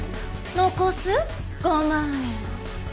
残す５万円。